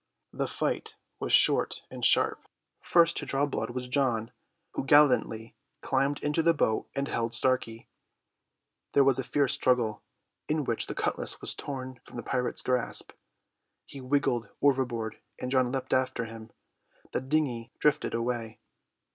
The fight was short and sharp. First to draw blood was John, who gallantly climbed into the boat and held Starkey. There was fierce struggle, in which the cutlass was torn from the pirate's grasp. He wriggled overboard and John leapt after him. The dinghy drifted away.